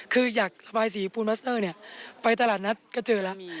คืออยากระบายสีภูมิมาสเตอร์ไปตลาดนัดก็เจอแล้ว